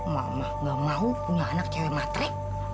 mama gak mau punya anak cewek matrik